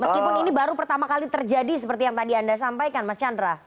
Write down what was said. meskipun ini baru pertama kali terjadi seperti yang tadi anda sampaikan mas chandra